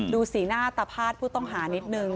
ดูสีหน้าตาพาดผู้ต้องหานิดนึง